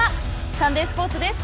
サンデースポーツです。